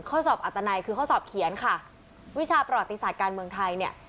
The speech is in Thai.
ข้อสอบอัตนัยคือข้อสอบเขียนค่ะวิชาประวัติศาสตร์การเมืองไทยเนี่ย